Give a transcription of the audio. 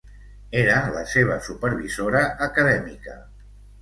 Era la seva supervisora acadèmica.